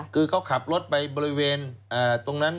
คือเขาขับรถไปบริเวณตรงนั้น